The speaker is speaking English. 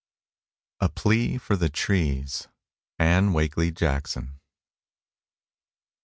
_ A PLEA FOR THE TREES. ANNE WAKELY JACKSON.